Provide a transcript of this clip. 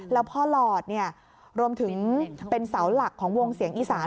แล้วพ่อหลอดรวมถึงเป็นเสาหลักของวงเสียงอีสาน